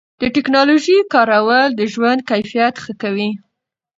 د ټکنالوژۍ کارول د ژوند کیفیت ښه کوي.